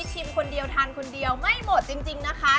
ชิมคนเดียวทานคนเดียวไม่หมดจริงนะคะ